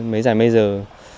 mấy giải major